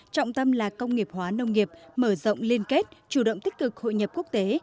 trọng tâm là công nghiệp hóa nông nghiệp mở rộng liên kết chủ động tích cực hội nhập quốc tế